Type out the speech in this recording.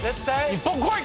日本こい！